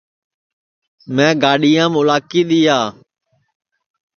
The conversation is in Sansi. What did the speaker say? میں ہِیڈؔیم اُلاکی دِؔیا